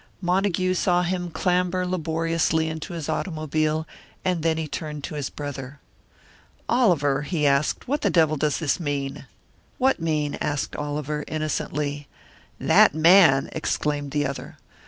Montague saw him clamber laboriously into his automobile, and then he turned to his brother. "Oliver," he asked, "what in the devil does this mean?" "What mean?" asked Oliver, innocently. "That man," exclaimed the other.